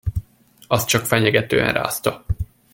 Azt csak fenyegetően rázta.